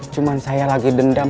cuman saya lagi dendam